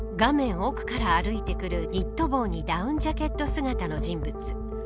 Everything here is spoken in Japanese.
奥から歩いてくるニット帽にダウンジャケット姿の人物。